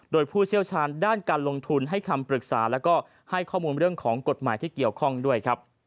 โดยผู้เชี่ยวชาญด้านการลงทุนให้คำปรึกษาแล้วก็ให้ข้อมูลเรื่องของกฎหมายที่เกี่ยวข้องด้วยครับ